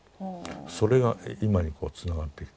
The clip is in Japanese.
それが今にこうつながってきた。